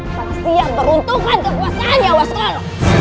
pasti yang beruntungkan kekuasaan yawa askol